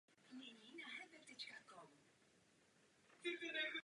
Po skončení druhé světové války byla budova zestátněna.